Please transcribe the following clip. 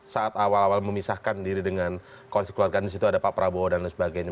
saat awal awal memisahkan diri dengan konsulatganis itu ada pak prabowo dan lain sebagainya